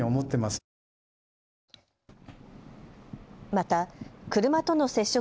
また車との接触